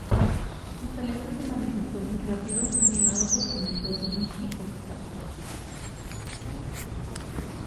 Su talento se manifestó muy rápido animado por su mentor Rimski-Korsakov.